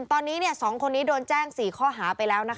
ตอนนี้เนี่ยสองคนนี้โดนแจ้งสี่ข้อหาไปแล้วนะคะ